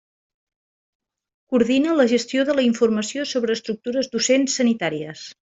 Coordina la gestió de la informació sobre estructures docents sanitàries.